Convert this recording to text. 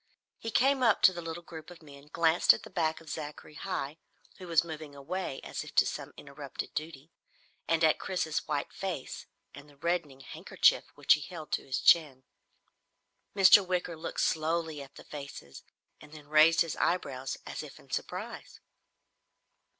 He came up to the little group of men, glanced at the back of Zachary Heigh, who was moving away as if to some interrupted duty, and at Chris's white face and the reddening handkerchief which he held to his chin. Mr. Wicker looked slowly at all the faces and then raised his eyebrows as if in surprise.